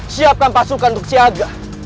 siapkan pasukan untuk siaga